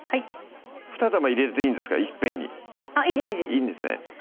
２玉入れるといいんですかいっぺんにいいですいいですいいんですね